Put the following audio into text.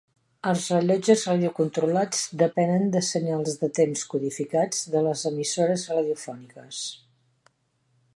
Els rellotges radiocontrolats depenen de senyals de temps codificats de les emissores radiofòniques.